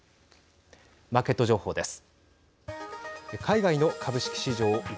マーケット情報です。